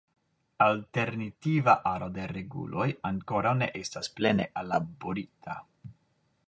Alternativa aro de reguloj ankoraŭ ne estas plene ellaborita.